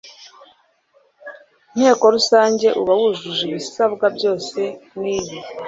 nteko rusange uba wujuje ibisabwa byose n iri